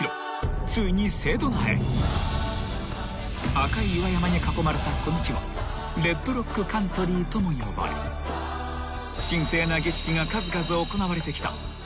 ［赤い岩山に囲まれたこの地はレッドロックカントリーとも呼ばれ神聖な儀式が数々行われてきた］